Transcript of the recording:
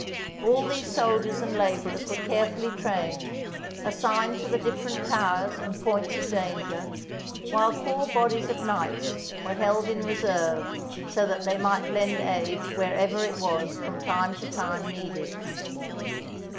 All these soldiers and labourers were carefully trained, assigned to the different towers and points of danger, while four bodies of knights were held in reserve so that they might lend aid wherever it was from time to time THE BOOK OF FAMOUS SIEGES needed.